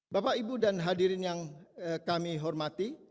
bapak ibu dan hadirin yang kami hormati